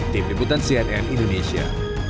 tim liputan cnn indonesia